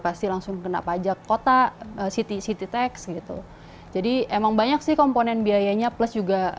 pasti langsung kena pajak kota city city tax gitu jadi emang banyak sih komponen biayanya plus juga